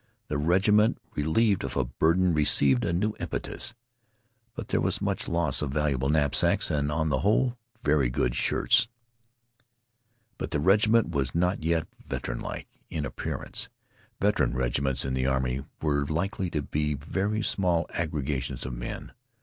The regiment, relieved of a burden, received a new impetus. But there was much loss of valuable knapsacks, and, on the whole, very good shirts. But the regiment was not yet veteranlike in appearance. Veteran regiments in the army were likely to be very small aggregations of men.